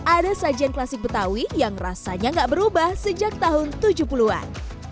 ada sajian klasik betawi yang rasanya nggak berubah sejak tahun tujuh puluh an